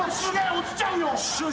落ちちゃうよ。